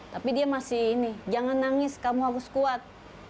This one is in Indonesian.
tapi dia masih ini jangan nangis kamu harus kuat